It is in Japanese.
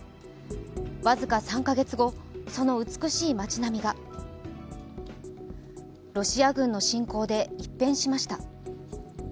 僅か３カ月後、その美しい街並みがロシア軍の侵攻で一変しました。